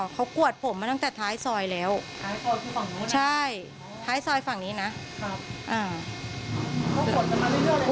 เขากวดผมมาตั้งแต่ท้ายซอยแล้วท้ายซอยที่ฝั่งนู้นใช่ท้ายซอยฝั่งนี้น่ะครับอ่า